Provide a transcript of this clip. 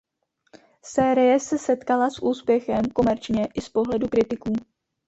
Série se setkala s úspěchem komerčně i z pohledu kritiků.